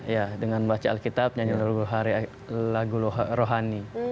ya dengan baca alkitab nyanyi lagu rohani